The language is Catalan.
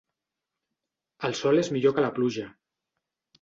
El sol és millor que la pluja.